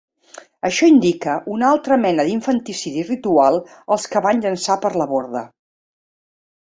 Això indica una altra mena d'infanticidi ritual als que van llençar per la borda.